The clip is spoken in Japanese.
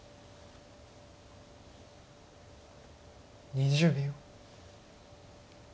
２０秒。